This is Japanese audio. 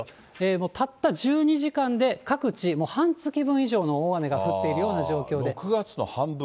もうたった１２時間で各地もう半月分以上の大雨が降っているよう６月の半分？